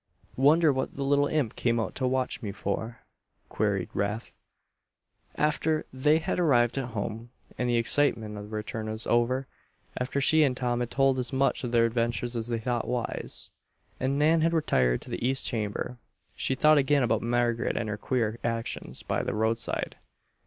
"Wonder what the little imp came out to watch me for?" queried Rafe. After they had arrived at home and the excitement o the return was over; after she and Tom had told as much of their adventures as they thought wise, and Nan had retired to the east chamber, she thought again about Margaret and her queer actions by the roadside.